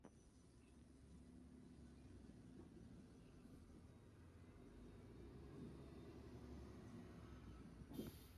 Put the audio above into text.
এটা ডাব্লিউডাব্লিউই কর্তৃক আয়োজিত একমাত্র নারী চ্যাম্পিয়নশীপ।